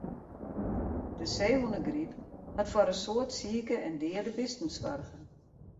De seehûnegryp hat foar in soad sike en deade bisten soarge.